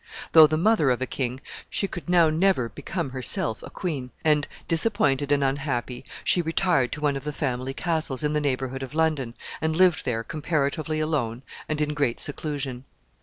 Though the mother of a king, she could now never become herself a queen; and, disappointed and unhappy, she retired to one of the family castles in the neighborhood of London, and lived there comparatively alone and in great seclusion.